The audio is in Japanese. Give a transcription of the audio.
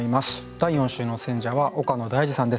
第４週の選者は岡野大嗣さんです。